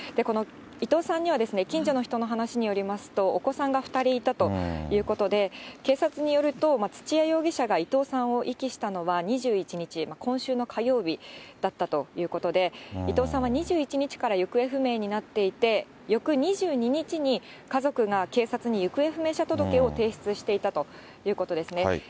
伊藤さんには、近所の人の話によりますと、お子さんが２人いたということで、警察によると土屋容疑者が伊藤さんを遺棄したのは２１日、今週の火曜日だったということで、伊藤さんは２１日から行方不明になっていて、翌２２日に、家族が警察に行方不明者届を提出していたということですね。